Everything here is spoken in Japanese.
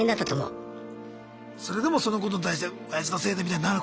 それでもそのことに対してオヤジのせいでみたいになることもなく。